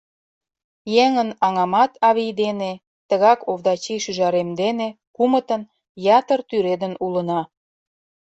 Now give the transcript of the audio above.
Еҥын аҥамат авий дене, тыгак Овдачий шӱжарем дене — кумытын — ятыр тӱредын улына.